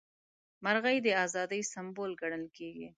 مرغۍ د ازادۍ سمبول ګڼل کیږي.